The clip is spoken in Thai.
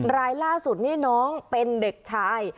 รายล่าสุดนี่น้องเป็นเด็กชาย